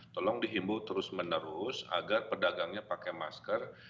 tolong dihimbu terus menerus agar pedagangnya pakai masker